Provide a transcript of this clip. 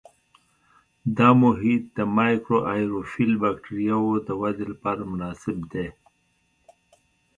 دا محیط د مایکروآیروفیل بکټریاوو د ودې لپاره مناسب دی.